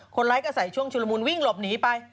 คนร้ายก็ใส่ช่วงชุลมูลวิ่งหลบหนีไป